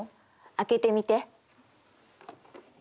開けてみて。